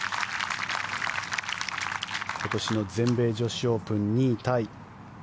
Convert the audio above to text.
今年の全米女子オープン２位タイ。